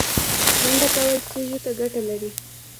منډه کول سږو ته ګټه لري